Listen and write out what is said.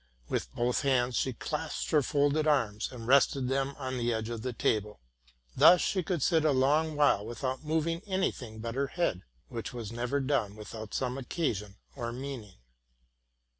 With both hands she clasped her folded arms, and rested them on the edge of the table. Thus she could sit a long while without moving any thing but her head, which was never done witii out some occasion or meaning.